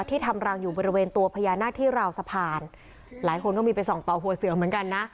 ทำรังอยู่บริเวณตัวพญานาคที่ราวสะพานหลายคนก็มีไปส่องต่อหัวเสือเหมือนกันนะ